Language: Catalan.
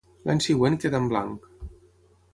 L'any següent quedà en blanc.